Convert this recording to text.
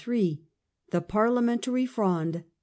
THE PARLIAMENTARY FRONDE.